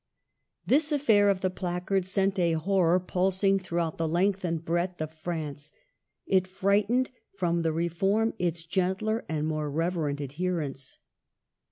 This affair of the placards sent a horror puls ing throughout the length and breadth of France. It frightened from the Reform its gentler and more reverent adherents.